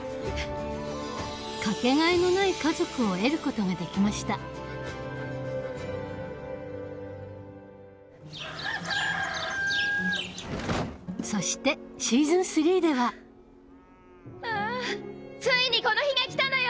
かけがえのない家族を得ることができましたそしてシーズン３ではああついにこの日が来たのよ！